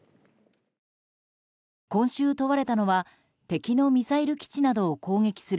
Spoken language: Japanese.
今週問われたのは敵のミサイル基地などを攻撃する